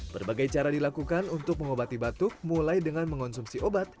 berbagai cara dilakukan untuk mengobati batuk mulai dengan mengonsumsi obat